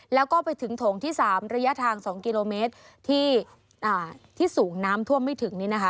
แล้วก็ไปถึงโถงที่๓ระยะทาง๒กิโลเมตรที่สูงน้ำท่วมไม่ถึง